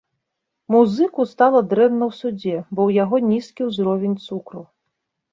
Музыку стала дрэнна ў судзе, бо ў яго нізкі ўзровень цукру.